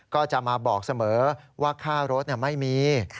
ก็จะมาบอกเสมอว่าค่ารถไม่มี